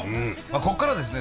ここからですね